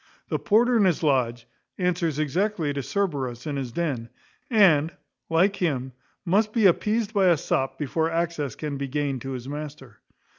The porter in his lodge answers exactly to Cerberus in his den, and, like him, must be appeased by a sop before access can be gained to his master.